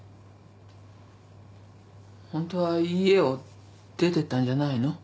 ホントは家を出てったんじゃないの？